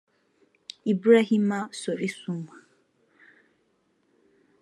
Ibrahima Sory Soumah